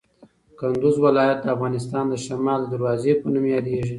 کندوز ولایت د افغانستان د شمال د دروازې په نوم یادیږي.